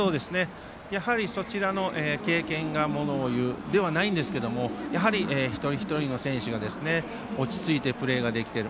そちらの経験がものをいうんではないんですがやはり、一人一人の選手が落ち着いてプレーができている。